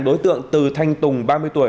đối tượng từ thanh tùng ba mươi tuổi